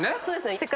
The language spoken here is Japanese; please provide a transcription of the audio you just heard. そうですね。